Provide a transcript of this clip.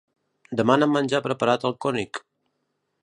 Demana'm menjar preparat al König.